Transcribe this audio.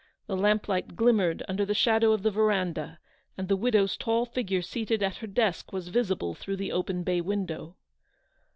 The lamplight glimmered under the shadow of the verandah, and the widow's tall figure seated at her desk was visible through the open bay window.